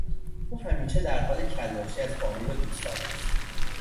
او همیشه در حال کلاشی از فامیل و دوستان است.